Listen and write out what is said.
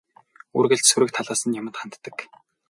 Үргэлж сөрөг талаас нь юманд ханддаг.